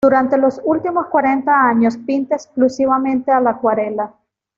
Durante los últimos cuarenta años pinta exclusivamente a la acuarela.